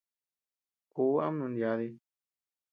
Kúʼu ama nunyadi.